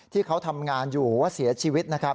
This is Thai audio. ที่เขาทำงานอยู่เสียชีวิต